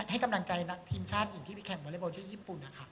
ให้กำนังใจทีมชาติอินที่ไปแข่งบอร์ไลน์โบร์ชื่อญี่ปุ่น